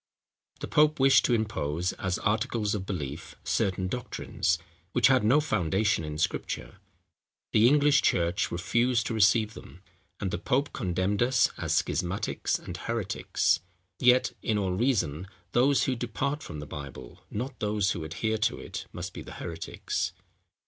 The pope wished to impose, as articles of belief, certain doctrines, which had no foundation in Scripture: the English church refused to receive them; and the pope condemned us as schismatics and heretics. Yet, in all reason those who depart from the Bible, not those who adhere to it, must be the heretics.